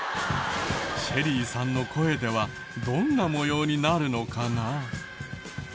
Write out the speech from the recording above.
ＳＨＥＬＬＹさんの声ではどんな模様になるのかな？